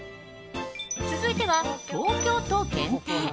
続いては、東京都限定